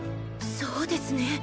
そうですね。